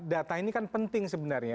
data ini kan penting sebenarnya